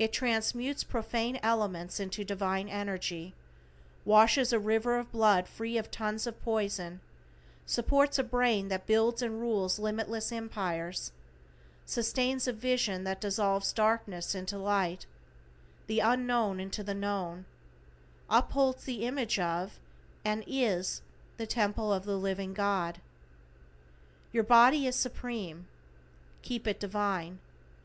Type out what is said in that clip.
It transmutes profane elements into divine energy, washes a river of blood free of tons of poison, supports a brain that builds and rules limitless empires, sustains a vision that dissolves darkness into light, the unknown into the known, upholds the image of, and is "the Temple of the Living God." Your body is Supreme. Keep it divine.